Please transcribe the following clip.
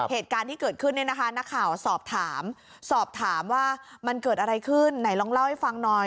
เหตุการณ์ที่เกิดขึ้นเนี่ยนะคะนักข่าวสอบถามสอบถามว่ามันเกิดอะไรขึ้นไหนลองเล่าให้ฟังหน่อย